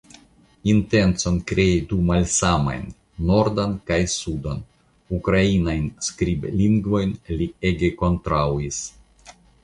Intencon krei du malsamajn (nordan kaj sudan) ukrainan skriblingvojn li ege kontraŭis.